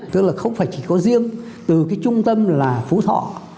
tức là không phải chỉ có riêng từ cái trung tâm là phú thọ